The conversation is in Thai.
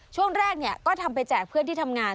ช่วงแรกก็ทำไปแจกเพื่อนที่ทำงาน